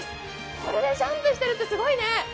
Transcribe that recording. これでジャンプしてるってすごいね。